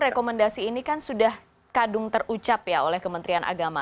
rekomendasi ini kan sudah kadung terucap ya oleh kementerian agama